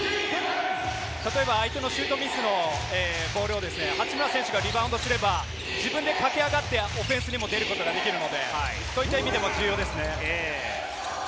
相手のシュートミスのボールを八村選手がリバウンドすれば、自分で駆け上がってオフェンスにも出ることもできるので、そういナイスパス。